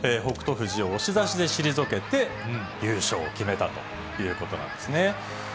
富士を押し出しで退けて、優勝を決めたということなんですね。